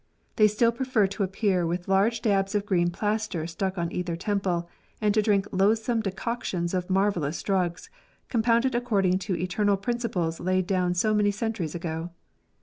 They still prefer to appear with large dabs of green plaster stuck on either temple, and to drink loathsome decoctions of marvellous drugs, compounded according to eternal principles laid down so many centuries ago.